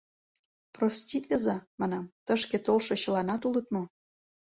— Проститлыза, — манам, — тышке толшо чыланат улыт мо?